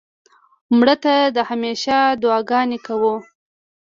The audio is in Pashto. مړه ته د همېشه دعا ګانې کوو